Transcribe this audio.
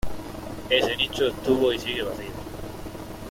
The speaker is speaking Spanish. Ese nicho estuvo y sigue vacío.